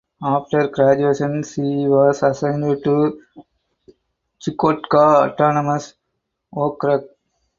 After graduation she was assigned to Chukotka Autonomous Okrug.